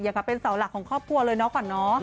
กับเป็นเสาหลักของครอบครัวเลยเนาะก่อนเนาะ